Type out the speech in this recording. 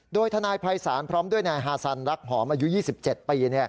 โดยทนายภัยศาลพร้อมด้วยนายฮาซันรักหอมอายุ๒๗ปี